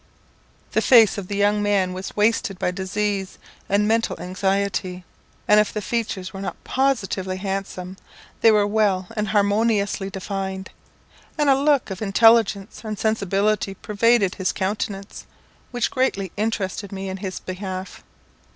The face of the young man was wasted by disease and mental anxiety; and if the features were not positively handsome, they were well and harmoniously defined, and a look of intelligence and sensibility pervaded his countenance, which greatly interested me in his behalf.